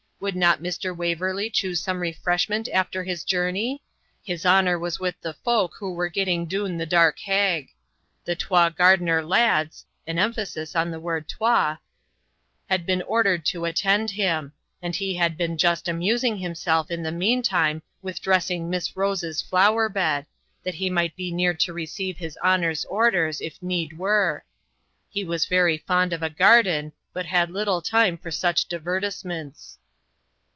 Would not Mr. Waverley choose some refreshment after his journey? His honour was with the folk who were getting doon the dark hag; the twa gardener lads (an emphasis on the word twa) had been ordered to attend him; and he had been just amusing himself in the mean time with dressing Miss Rose's flower bed, that he might be near to receive his honour's orders, if need were; he was very fond of a garden, but had little time for such divertisements.'